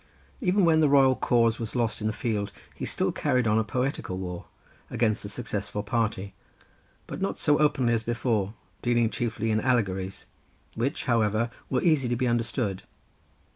Even when the royal cause was lost in the field, he still carried on a poetical war against the successful party, but not so openly as before, dealing chiefly in allegories, which, however, were easy to be understood.